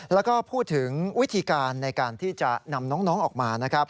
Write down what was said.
แล้วก็พูดถึงวิธีการในการที่จะนำน้องออกมานะครับ